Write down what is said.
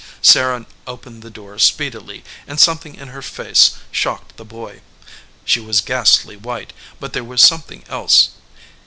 Sarah opened the door speedily, and something in her face shocked the boy. She was ghastly white, but there was some thing else.